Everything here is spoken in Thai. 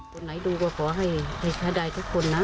คนไหนดูก็ขอให้ใช้ได้ทุกคนนะ